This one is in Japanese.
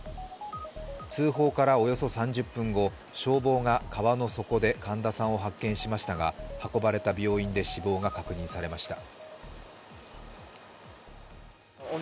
通報からおよそ３０分後、消防が川の底で神田さんを発見しましたが運ばれた病院で死亡が確認されました。